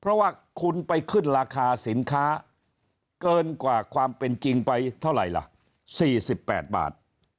เพราะว่าคุณไปขึ้นราคาสินค้าเกินกว่าความเป็นจริงไปเท่าไหร่ล่ะ๔๘บาท